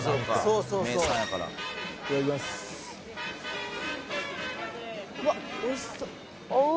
「うわっおいしそう」